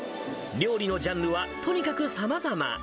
料理のジャンルはとにかくさまざま。